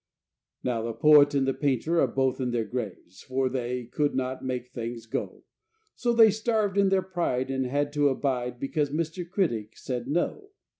Now the poet and painter are both in their graves, For they could not make things go, So they starved in their pride and had to abide Because Mr. Critic said "No."